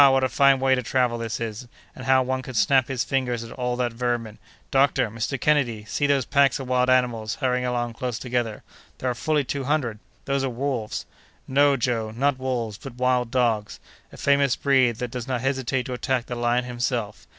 what a fine way to travel this is; and how one can snap his fingers at all that vermin!—Doctor! Mr. Kennedy! see those packs of wild animals hurrying along close together. There are fully two hundred. Those are wolves." "No! Joe, not wolves, but wild dogs; a famous breed that does not hesitate to attack the lion himself.